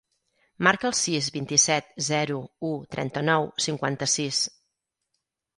Marca el sis, vint-i-set, zero, u, trenta-nou, cinquanta-sis.